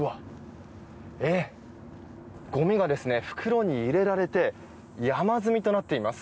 ごみが袋に入れられて山積みとなっています。